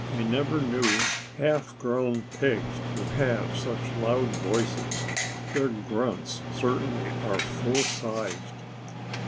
I never knew half grown pigs to have such loud voices. Their grunts certainly are full sized."